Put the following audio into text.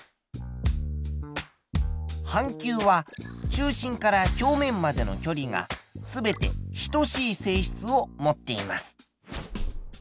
半球は中心から表面までの距離が全て等しい性質を持っています。